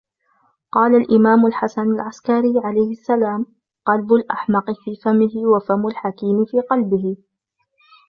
قالَ الإمامُ الْحَسَنِ الْعَسْكَري - عليه السلام -: قَلْبُ الاْحْمَقِ في فَمِهِ، وَفَمُ الْحَكيمِ في قَلْبِهِ.